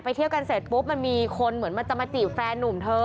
เที่ยวกันเสร็จปุ๊บมันมีคนเหมือนมันจะมาจีบแฟนนุ่มเธอ